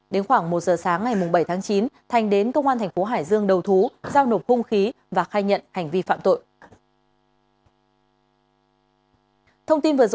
đến khoảng một giờ sáng ngày bảy tháng chín thành đến công an tp hcm đầu thú dao nộp hung khí và khai nhận hành vi phạm tội